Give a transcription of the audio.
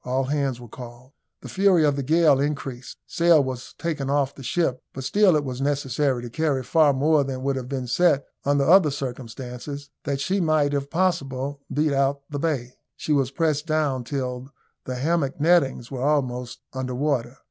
All hands were called. The fury of the gale increased. Sail was taken off the ship, but still it was necessary to carry far more than would have been set under other circumstances, that she might, if possible, beat out of the bay. She was pressed down till the hammock nettings were almost under water.